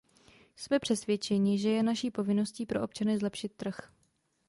Jsme přesvědčeni, že je naší povinností pro občany zlepšit trh.